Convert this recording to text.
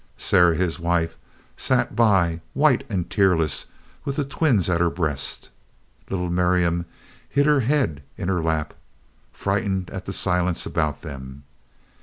Sarah, his wife, sat by, white and tearless, with the twins at her breast. Little Miriam hid her head in her lap, frightened at the silence about them.